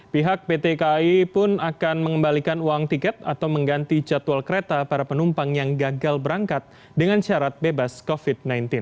pihak pt kai pun akan mengembalikan uang tiket atau mengganti jadwal kereta para penumpang yang gagal berangkat dengan syarat bebas covid sembilan belas